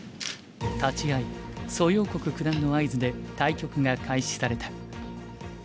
立会い蘇耀国九段の合図で対局が開始された。